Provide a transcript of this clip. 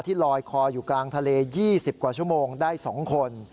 ลอยคออยู่กลางทะเล๒๐กว่าชั่วโมงได้๒คน